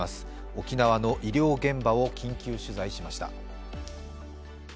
沖縄の医療現場を緊急取材しました。